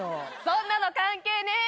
そんなの関係ねぇ！」